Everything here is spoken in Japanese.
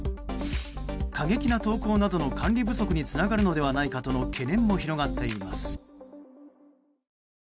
過激な投稿などの管理不足につながるのではないかとの懸念も広がっています。